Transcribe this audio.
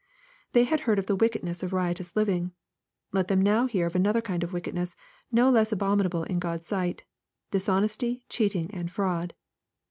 — ^They had heard of the wickedness of riotous living. Let them now hear of another kind of wickedness no less abominable in God's sight, dishonesty, cheating, and fraud.